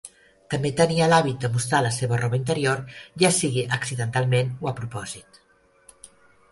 També tenia l'hàbit de mostrar la seva roba interior ja sigui accidentalment o a propòsit.